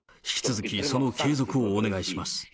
引き続きその継続をお願いします。